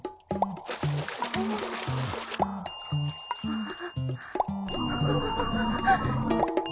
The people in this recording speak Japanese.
ああ！